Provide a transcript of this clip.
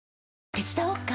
手伝おっか？